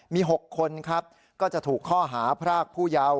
มี๖คนครับก็จะถูกข้อหาพรากผู้เยาว์